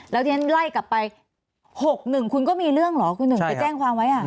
แล้วทีนั้นไล่กลับไป๖๑คุณก็มีเรื่องหรอคุณหนึ่งไปแจ้งความไว้นี่แหละครับ